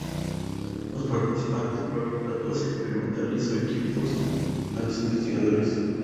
Los participantes proveen datos experimentales o equipos a los investigadores.